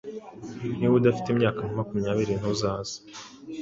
Niba udafite imyaka nka makumyabiri ntuzaze.